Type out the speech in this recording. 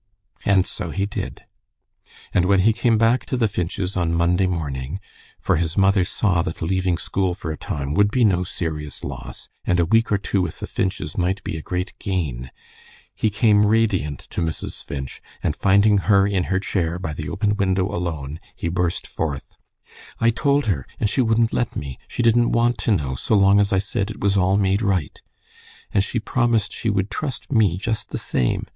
And so he did, and when he came back to the Finch's on Monday morning, for his mother saw that leaving school for a time would be no serious loss, and a week or two with the Finches might be a great gain, he came radiant to Mrs. Finch, and finding her in her chair by the open window alone, he burst forth, "I told her, and she wouldn't let me. She didn't want to know so long as I said it was all made right. And she promised she would trust me just the same.